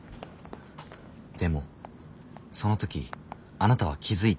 でもその時あなたは気付いた。